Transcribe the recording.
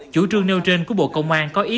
chủ trương nêu trên của bộ công an có ý